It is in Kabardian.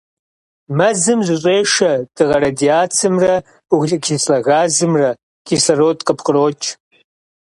Мэзым зыщӀешэ дыгъэ радиацэмрэ углекислэ газымрэ, кислород къыпкърокӀ.